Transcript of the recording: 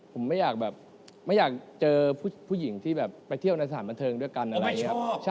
ผมไม่อยากแบบไม่อยากเจอผู้หญิงที่แบบไปเที่ยวในสถานบันเทิงด้วยกันอะไรอย่างนี้ครับ